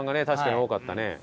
確かに多かったね。